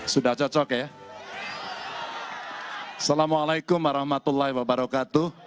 sudah cocok ya